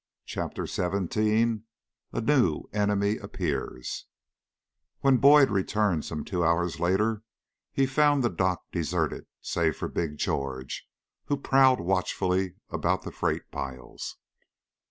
CHAPTER XVII A NEW ENEMY APPEARS When Boyd returned some two hours later he found the dock deserted save for Big George, who prowled watchfully about the freight piles.